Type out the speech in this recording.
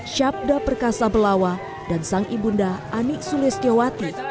syabda perkasa belawa dan sang ibunda anik sules tiawati